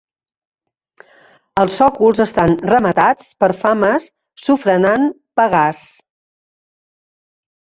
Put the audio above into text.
Els sòcols estan rematats per fames sofrenant Pegàs.